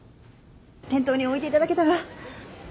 店頭に置いて頂けたら。